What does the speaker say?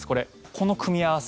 この組み合わせ